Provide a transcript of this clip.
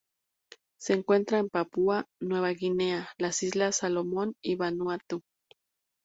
Se encuentra en Papúa Nueva Guinea, las Islas Salomón y Vanuatu.